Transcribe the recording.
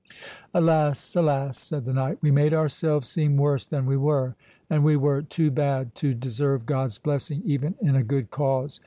"Alas, alas!" said the knight, "we made ourselves seem worse than we were; and we were too bad to deserve God's blessing even in a good cause.